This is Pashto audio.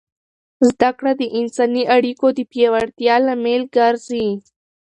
زده کړه د انساني اړیکو د پیاوړتیا لامل ګرځي.